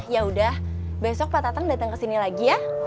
yaudah besok pak tatang dateng kesini lagi ya